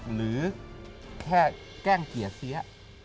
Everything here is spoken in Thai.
หรือแค่แกล้งเกียร์เสีย